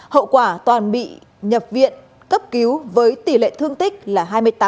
hậu quả toàn bị nhập viện cấp cứu với tỷ lệ thương tích là hai mươi tám